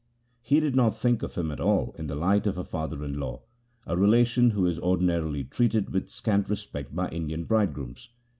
He did not think of him at all in the light of a father in law, a relation who is ordinarily treated with scant respect by Indian bridegrooms.